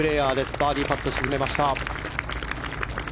バーディーパット、沈めました。